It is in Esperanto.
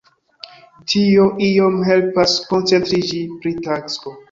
Tio iom helpas koncentriĝi pri tasko.